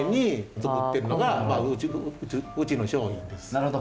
なるほど。